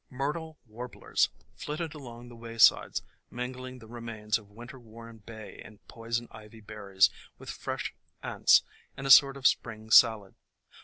Myrtle warblers flitted along the waysides mingling the remains of winter worn Bay and Poison Ivy berries with fresh ants in a sort of Spring salad.